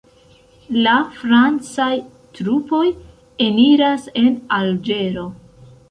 La francaj trupoj eniras en Alĝero.